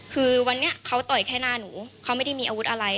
คือวันนี้เขาต่อยแค่หน้าหนูเขาไม่ได้มีอาวุธอะไร